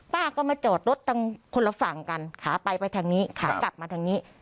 ป้าก็มาจอดรถคนละฝั่งกันขาไปไปทางนี้ขากลับมาทางนี้